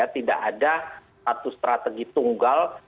tidak ada satu strategi tunggal